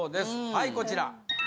はいこちら！